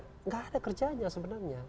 tidak ada kerjanya sebenarnya